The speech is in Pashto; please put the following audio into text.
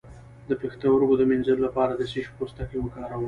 د پښتورګو د مینځلو لپاره د څه شي پوستکی وکاروم؟